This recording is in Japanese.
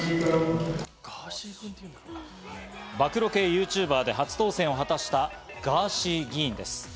暴露系ＹｏｕＴｕｂｅｒで初当選を果たしたガーシー議員です。